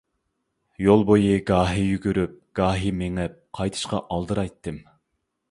يول بويى گاھى يۈگۈرۈپ، گاھى مېڭىپ قايتىشقا ئالدىرايتتىم.